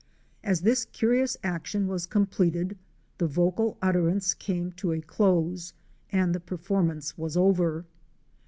As this curious action was completed, the vocal utterance came to a close and the performance was over.